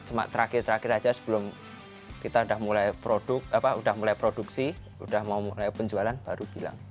cuma terakhir terakhir aja sebelum kita udah mulai produk apa udah mulai produksi udah mau mulai penjualan baru hilang